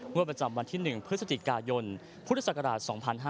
ประจำวันที่๑พฤศจิกายนพุทธศักราช๒๕๕๙